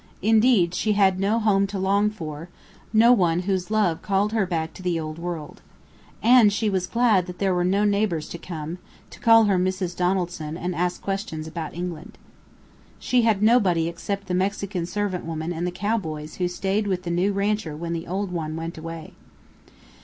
Indeed, she had no home to long for, no one whose love called her back to the old world. And she was glad that there were no neighbours to come, to call her "Mrs. Donaldson" and ask questions about England. She had nobody except the Mexican servant woman and the cowboys who stayed with the new rancher when the old one went away.